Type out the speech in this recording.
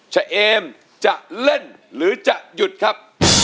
เอมจะเล่นหรือจะหยุดครับ